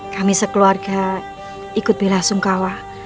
kami sekeluarga ikut belasungkawa